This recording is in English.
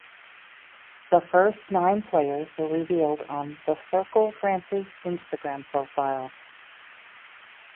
The first nine players were revealed on "The Circle France"s Instagram profile.